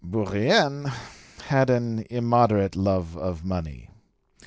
Bourrienne had an immoderate love of money.